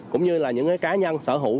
cũng như là những cái cá nhân sở hữu